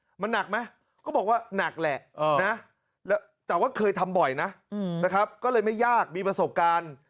มันหนักไหมก็บอกว่าหนักแหละนะแต่ว่าเคยทำบ่อยนะนะครับก็เลยไม่ยากมีประสบการณ์